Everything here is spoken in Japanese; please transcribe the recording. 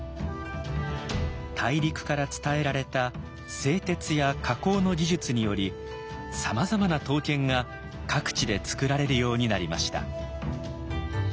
大陸から伝えられた製鉄や加工の技術によりさまざまな刀剣が各地で作られるようになりました。